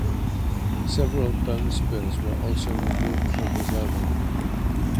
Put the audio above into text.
Several bone spurs were also removed from his elbow.